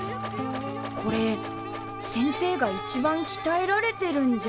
これ先生がいちばんきたえられてるんじゃ。